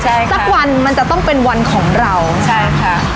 ใช่ค่ะสักวันมันจะต้องเป็นวันของเราใช่ค่ะ